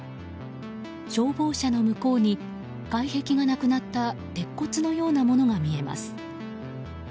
消防車の向こうに外壁がなくなった鉄骨のようなものが見えます。